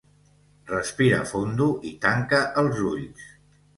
Respira fondo i tanca els ulls.